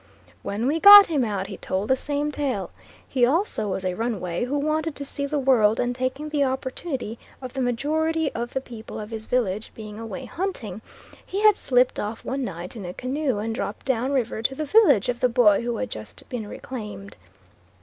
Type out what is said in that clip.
When we got him out he told the same tale. He also was a runaway who wanted to see the world, and taking the opportunity of the majority of the people of his village being away hunting, he had slipped off one night in a canoe, and dropped down river to the village of the boy who had just been reclaimed.